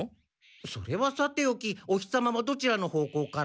それはさておきお日様はどちらの方向から？